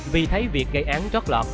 vì thấy việc gây án trót lọt